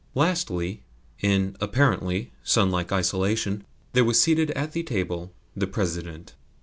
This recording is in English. Lastly, in (apparently) sunlike isolation, there was seated at the table the President.